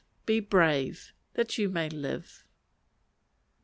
"Be brave, that you may live."